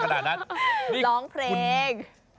ลองเพลง